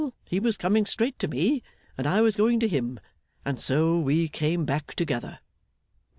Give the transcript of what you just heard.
He was coming straight to me, and I was going to him, and so we came back together.